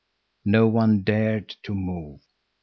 No one dared to move.